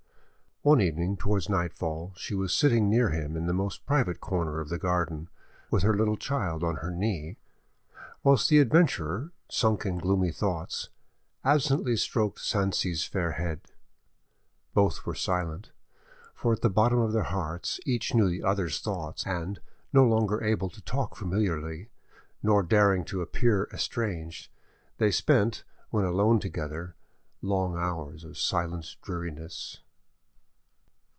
One evening, towards nightfall, she was sitting near him in the most private corner of the garden, with her little child on her knee, whilst the adventurer, sunk in gloomy thoughts, absently stroked Sanxi's fair head. Both were silent, for at the bottom of their hearts each knew the other's thoughts, and, no longer able to talk familiarly, nor daring to appear estranged, they spent, when alone together, long hours of silent dreariness.